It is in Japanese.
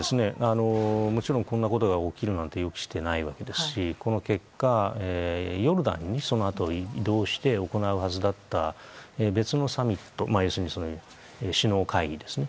もちろんこんなことが起きるなんて予期していないわけですしこの結果、ヨルダンにそのあと移動して行うはずだった別のサミット要するに首脳会議ですね。